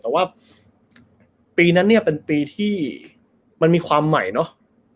แต่ว่าปีนั้นเนี่ยเป็นปีที่มันมีความใหม่เนอะ